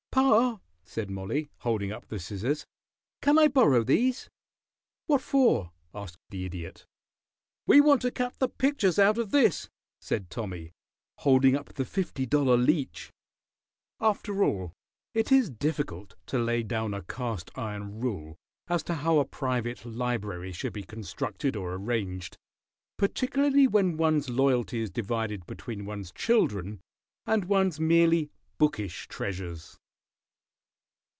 "Pa," said Mollie, holding up the scissors, "can I borrow these?" "What for?" asked the Idiot. "We want to cut the pictures out o' this," said Tommy, holding up the fifty dollar Leech. After all, it is difficult to lay down a cast iron rule as to how a private library should be constructed or arranged, particularly when one's loyalty is divided between one's children and one's merely bookish treasures.